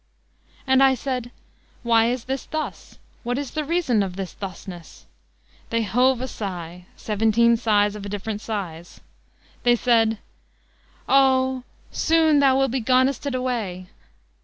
"And I said, 'Why is this thus? What is the reason of this thusness?' They hove a sigh seventeen sighs of different size. They said "'O, soon thou will be gonested away.'